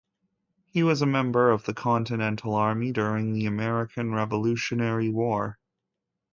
He was a member of the Continental Army during the American Revolutionary War.